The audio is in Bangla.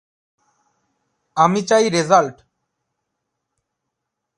আমি চাই রেজাল্ট!